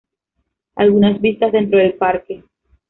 Algunas vistas dentro del parque